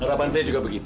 harapan saya juga begitu